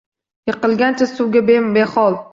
Yiqilgancha suvga behol